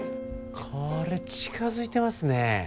これ近づいてますね。